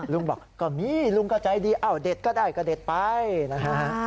ลุงบอกก็มีลุงก็ใจดีเอ้าเด็ดก็ได้ก็เด็ดไปนะฮะ